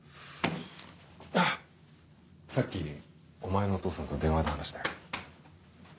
さっきお前のお父さんと電話で話したよ。